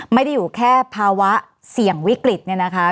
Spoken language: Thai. ไม่ได้อยู่แค่ภาวะเสี่ยงวิกฤตเนี่ยนะคะ